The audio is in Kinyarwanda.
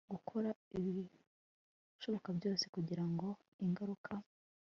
gukora ibishoboka byose kugira ngo ingaruka